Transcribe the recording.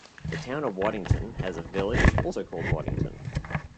The Town of Waddington has a village, also called Waddington.